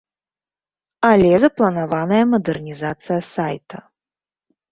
Але запланаваная мадэрнізацыя сайта.